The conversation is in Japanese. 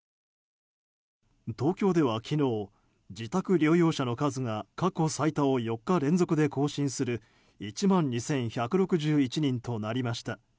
東京では昨日、自宅療養者の数が過去最多を４日連続で更新する１万２１６１人となりました。